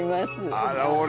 あらほら